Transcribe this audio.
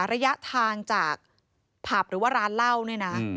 ระยะทางจากผับหรือว่าร้านเหล้าเนี่ยนะ